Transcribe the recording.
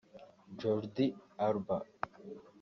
Jordi Alba